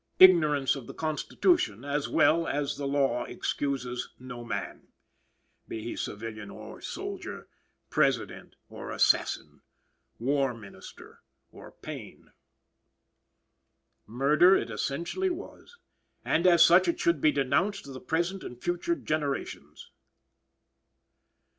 Ignorance of the constitution as well as the law excuses no man, be he civilian or soldier, President or assassin, War Minister or Payne. Murder it essentially was, and as such it should be denounced to the present and future generations.